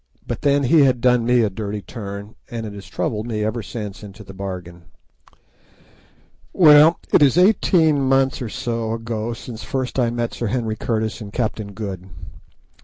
But then he had done me a dirty turn, and it has troubled me ever since into the bargain. Well, it is eighteen months or so ago since first I met Sir Henry Curtis and Captain Good.